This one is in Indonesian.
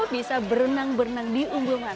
enam ribu bisa berenang berenang di umbul mantan